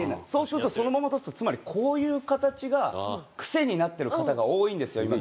そうするとそのまま立つとつまりこういう形が癖になってる方が多いんですよ